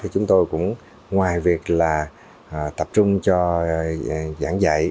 chúng tôi cũng ngoài việc là tập trung cho giảng dạy